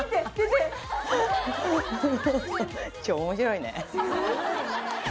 面白いね。